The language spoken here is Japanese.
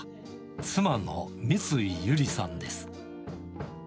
妻の三井ゆりさんです。